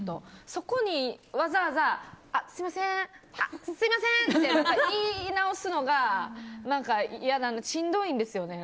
そこにわざわざすみません、すみませーんって言い直すのが何か嫌というかしんどいんですよね。